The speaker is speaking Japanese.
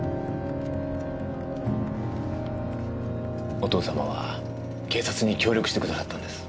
お父様は警察に協力してくださったんです。